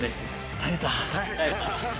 耐えた。